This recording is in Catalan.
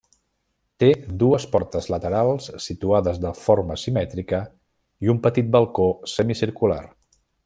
Té dues portes laterals situades de forma simètrica i un petit balcó semicircular.